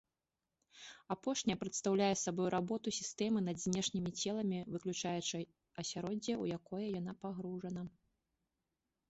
Апошняя прадстаўляе сабой работу сістэмы над знешнімі целамі, выключаючы асяроддзе, у якое яна пагружана.